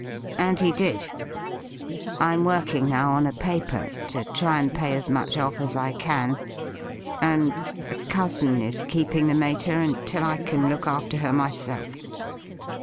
And he did. I'm working now on a paper, to try and pay as much off as I can, and a cousin is keeping the mater until I can look after her myself.